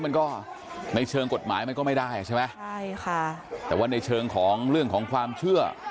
มันก็ในเชิงกฎหมายมันก็ไม่ได้ใช่ไหมใช่ค่ะแต่ว่าในเชิงของเรื่องของความเชื่อ